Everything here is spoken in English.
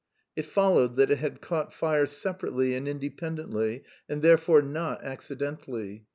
It followed that it had caught fire separately and independently and therefore not accidentally.